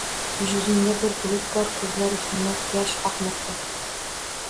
Yuzinda bir bulut bor, koʻzlari kulmas, yosh oqmoqda